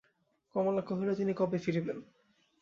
কমলা কহিল, তিনি কবে ফিরিবেন?